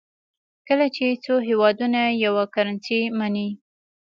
کله چې څو هېوادونه یوه کرنسي مني.